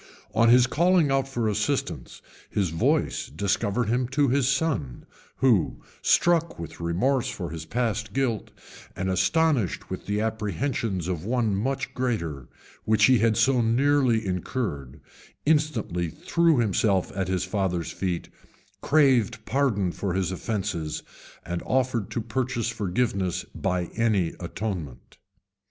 On his calling out for assistance, his voice discovered him to his son, who, struck with remorse for his past guilt, and astonished with the apprehensions of one much greater, which he had so nearly incurred, instantly threw himself at his father's feet, craved pardon for his offences, and offered to purchase forgiveness by any atonement.